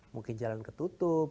mungkin jalan ketutup